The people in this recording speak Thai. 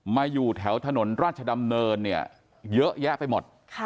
อยู่แถวถนนราชดำเนินเนี่ยเยอะแยะไปหมด